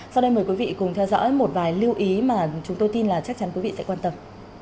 sau đây mời quý vị cùng theo dõi một vài lưu ý mà chúng tôi tin là chắc chắn quý vị sẽ quan tâm